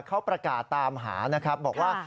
เขาประกาศตามหานะครับบอกว่า